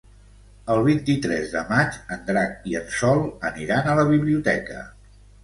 El vint-i-tres de maig en Drac i en Sol aniran a la biblioteca.